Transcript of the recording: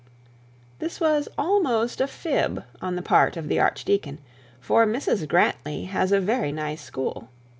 This was almost a fib on the part of the Archdeacon, for Mrs Grantly has a very nice school.